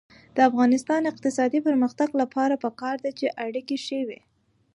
د افغانستان د اقتصادي پرمختګ لپاره پکار ده چې اړیکې ښې وي.